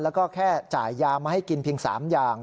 แล้วก็แค่จ่ายยามาให้กินเพียง๓อย่าง